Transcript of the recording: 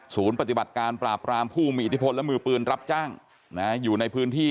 ปฏิบัติการปราบรามผู้มีอิทธิพลและมือปืนรับจ้างอยู่ในพื้นที่